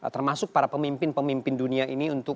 termasuk para pemimpin pemimpin dunia ini untuk